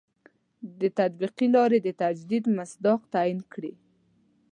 له تطبیقي لاري د تجدید مصداق تعین کړي.